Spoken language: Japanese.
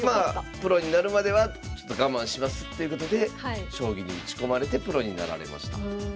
プロになるまでは我慢しますということで将棋に打ち込まれてプロになられました。